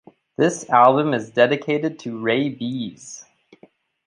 This album is dedicated to Raybeez.